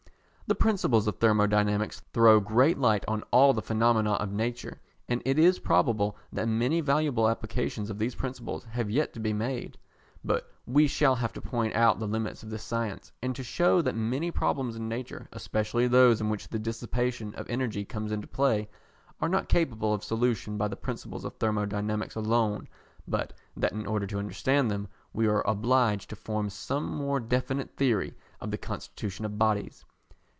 The principles of Thermodynamics throw great light on all the phenomena of nature, and it is probable that many valuable applications of these principles have yet to be made; but we shall have to point out the limits of this science, and to shew that many problems in nature, especially those in which the Dissipation of Energy comes into play, are not capable of solution by the principles of Thermodynamics alone, but that in order to understand them, we are obliged to form some more definite theory of the constitution of bodies.